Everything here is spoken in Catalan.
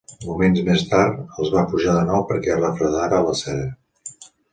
Moments més tard, els va pujar de nou perquè es refredara la cera.